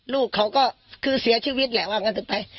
ลูกเขาก็คือเสียชีวิตแหละว่างั้นเถอะไป